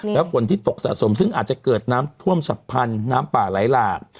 และฝนที่ตกสะสมซึ่งอาจจะเกิดน้ำท่วมฉับพันธุ์น้ำป่าไหลหลาก